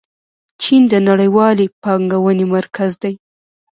چین د نړیوالې پانګونې مرکز دی.